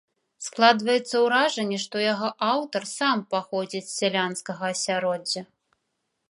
Складваецца ўражанне, што яго аўтар сам паходзіць з сялянскага асяроддзя.